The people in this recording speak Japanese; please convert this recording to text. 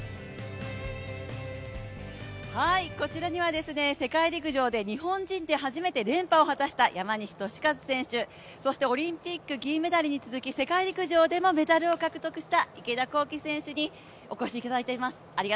こちらには世界陸上で日本人で初めて連覇を果たした山西利和選手、そしてオリンピック金メダルに続き世界陸上でもメダルを獲得した池田向希選手にお越しいただいています。